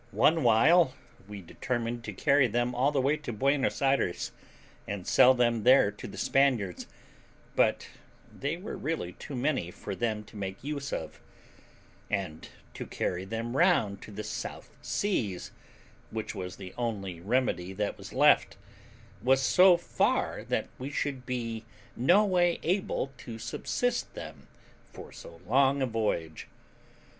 One while we determined to carry them all away to Buenos Ayres, and sell them there to the Spaniards; but they were really too many for them to make use of; and to carry them round to the South Seas, which was the only remedy that was left, was so far that we should be no way able to subsist them for so long a voyage.